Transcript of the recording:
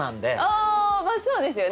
あまあそうですよね。